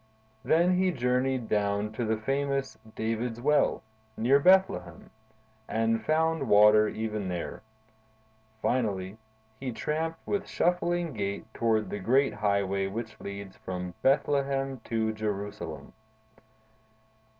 Then he journeyed down to the famous David's Well, near Bethlehem, and found water even there. Finally, he tramped with shuffling gait toward the great highway which leads from Bethlehem to Jerusalem.